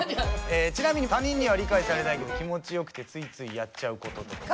ちなみに他人には理解されないけど気持ち良くてついついやっちゃう事とか。